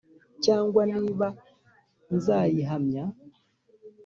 cyangwa niba nzayiramya